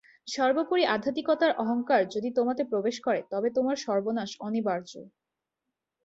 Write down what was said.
সর্বোপরি আধ্যাত্মিকতার অহঙ্কার যদি তোমাতে প্রবেশ করে, তবে তোমার সর্বনাশ অনিবার্য।